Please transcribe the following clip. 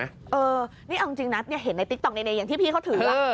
เออนี่เอาจริงนะเห็นในติ๊กต๊อกในอย่างที่พี่เขาถือ